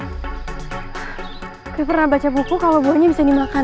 tapi pernah baca buku kalau buahnya bisa dimakan